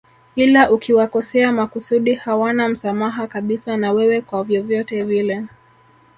Ila ukiwakosea makusudi hawana msamaha kabisa na wewe kwa vyovyote vile